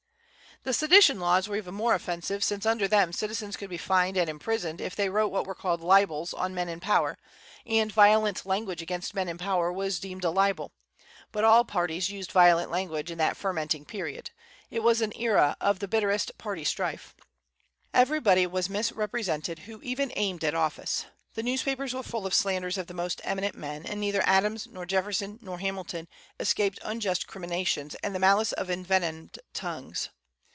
The Sedition Laws were even more offensive, since under them citizens could be fined and imprisoned if they wrote what were called "libels" on men in power; and violent language against men in power was deemed a libel. But all parties used violent language in that fermenting period. It was an era of the bitterest party strife. Everybody was misrepresented who even aimed at office. The newspapers were full of slanders of the most eminent men, and neither Adams, nor Jefferson, nor Hamilton, escaped unjust criminations and the malice of envenomed tongues.